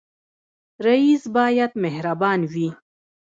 رئیس باید مهربان وي